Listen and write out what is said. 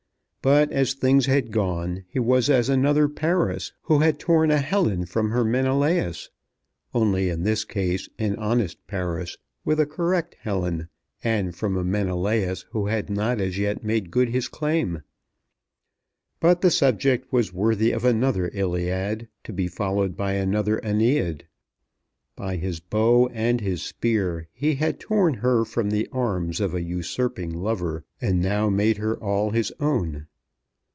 But as things had gone he was as another Paris who had torn a Helen from her Menelaus, only in this case an honest Paris, with a correct Helen, and from a Menelaus who had not as yet made good his claim. But the subject was worthy of another Iliad, to be followed by another Æneid. By his bow and his spear he had torn her from the arms of a usurping lover, and now made her all his own.